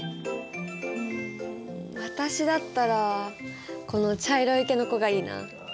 うん私だったらこの茶色い毛の子がいいなあ。